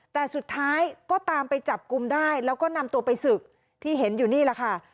แต่สุดท้ายก็ตามไปจับกลุ่มได้แล้วก็นำตัวไปศึกที่เห็นอยู่นี่แหละค่ะ